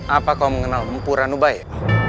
apa kau mengenal mumpuranubaya